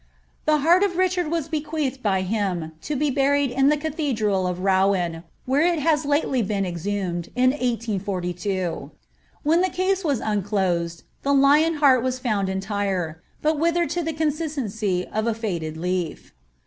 The heart of Richard was bequeathed by him, to be buried in the cathedral of Rouen, where it has lately been exhumed, in 1842. When the case was unclosed, the lion heart was found entire, but withered to the consistency of a faded leaf.